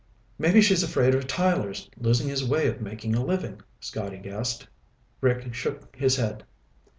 "Maybe she's afraid of Tyler's losing his way of making a living," Scotty guessed. Rick shook his head.